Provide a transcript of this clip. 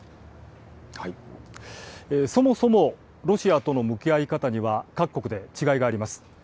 そもそもロシアとの向き合い方には、各国で違いがあります。